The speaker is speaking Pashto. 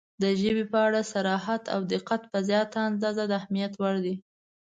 • د ژبې په اړه صراحت او دقت په زیاته اندازه د اهمیت وړ دی.